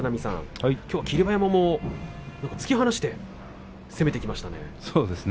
きょうは霧馬山突き放して攻めてきましたね。